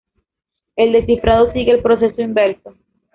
El descifrado sigue el proceso inverso.